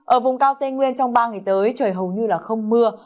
ở vùng cao tây nguyên trong ba ngày tới trời hầu như không mưa